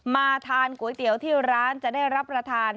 มาทานก๋วยเตี๋ยวที่ร้านจะได้รับประทาน